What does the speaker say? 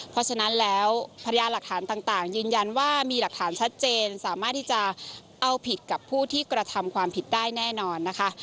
เพราะฉะนั้นแล้วพยานหลักฐานต่างยืนยันว่ามีหลักฐานชัดเจนสามารถที่จะเอาผิดกับผู้ที่กระทำความผิดได้แน่นอนนะคะ